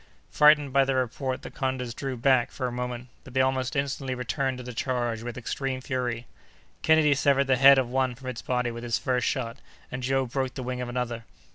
Frightened by the report, the condors drew back for a moment, but they almost instantly returned to the charge with extreme fury. Kennedy severed the head of one from its body with his first shot, and Joe broke the wing of another.